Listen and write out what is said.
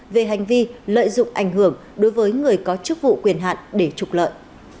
về hành vi lợi dụng ảnh hưởng đối với người có chức vụ quyền hạn để trục lợi